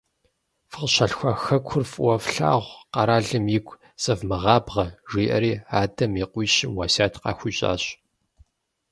Фыкъыщалъхуа Хэкур фӀыуэ флъагъу, къэралым игу зэвмыгъабгъэ, - жиӏэри, адэм и къуищым уэсят къахуищӀащ.